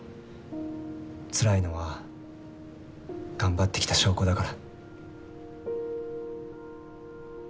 つらいのは頑張ってきた証拠だから。